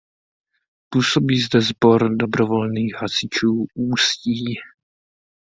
Působí zde Sbor dobrovolných hasičů Ústí.